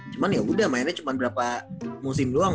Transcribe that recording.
cuman ya udah mainnya cuma berapa musim doang